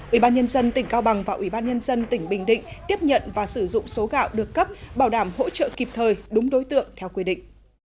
ủy ban nhân dân tỉnh cao bằng và ủy ban nhân dân tỉnh bình định tiếp nhận và sử dụng số gạo được cấp bảo đảm hỗ trợ kịp thời đúng đối tượng theo quy định